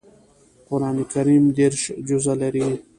قران کریم دېرش جزء لري